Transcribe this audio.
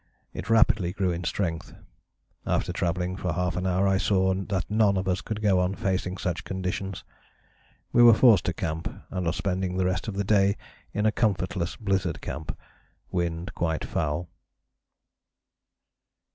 It rapidly grew in strength. After travelling for half an hour I saw that none of us could go on facing such conditions. We were forced to camp and are spending the rest of the day in a comfortless blizzard camp, wind quite foul."